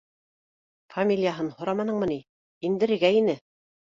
Фамилияһын һораманыңмы ни? Индерергә ине